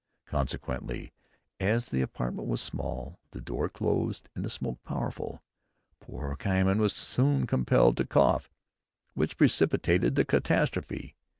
Consequently, as the apartment was small, the door closed and the smoke powerful, poor Cymon was soon compelled to cough, which precipitated the catastrophe.